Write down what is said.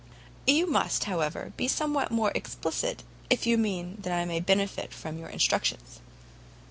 "You must, however, be somewhat more explicit, if you mean that I should benefit from your instructions."